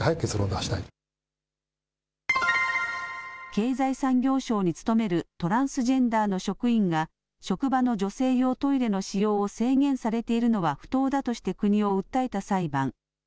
経済産業省に勤めるトランスジェンダーの職員が、職場の女性用トイレの使用を制限されているのは不当だとして国を訴えた裁判。